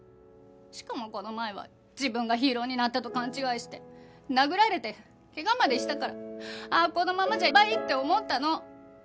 しかもこの前は自分がヒーローになったと勘違いして殴られて怪我までしたからあこのままじゃやばいって思ったの。